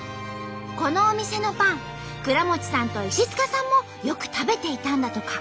このお店のパン倉持さんと石塚さんもよく食べていたんだとか。